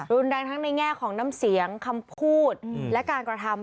รุนแรงทั้งในแง่ของน้ำเสียงคำพูดและการกระทำ